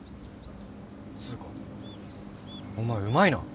つうかお前うまいな。